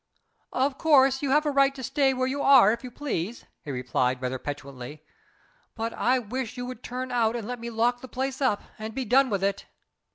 "Of course you have a right to stay where you are if you please," he replied, rather petulantly; "but I wish you would turn out and let me lock the place up, and be done with it."